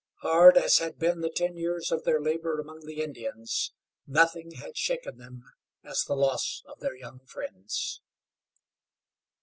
Hard as had been the ten years of their labor among the Indians, nothing had shaken them as the loss of their young friends.